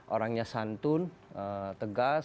orangnya santun tegas